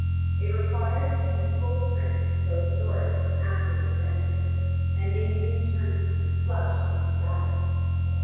It required Hugh's full strength to close the door again, after they had entered, and Nadine turned to him, flushed and ecstatic.